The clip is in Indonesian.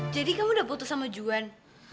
jadi kamu sudah putus sama juwan